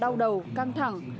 đau đầu căng thẳng